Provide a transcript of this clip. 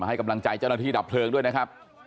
ให้กำลังใจเจ้าหน้าที่ดับเพลิงด้วยนะครับ